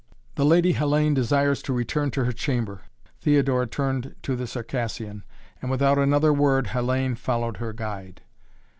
"The Lady Hellayne desires to return to her chamber," Theodora turned to the Circassian, and without another word Hellayne followed her guide.